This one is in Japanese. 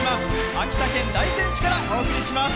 秋田県大仙市からお送りします。